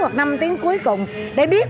hoặc năm tiếng cuối cùng để biết